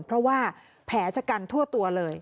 เพราะว่าแผลชะกันทั่วตัวเลย